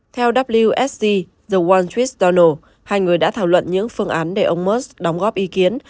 theo wsz the wall street journal hai người đã thảo luận những phương án để ông musk đóng góp ý kiến